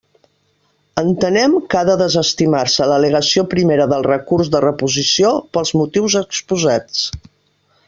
Entenem que ha de desestimar-se l'al·legació primera del recurs de reposició pels motius exposats.